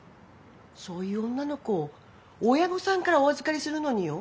そういう女の子を親御さんからお預かりするのによ